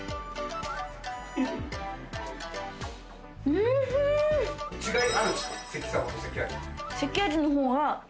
おいしい。